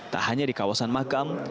tak hanya di kawasan makam